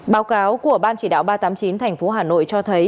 báo cáo của ban chỉ đạo ba trăm tám mươi chín tp hà nội cho thấy